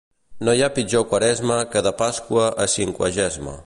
No hi ha pitjor Quaresma que de Pasqua a Cinquagesma.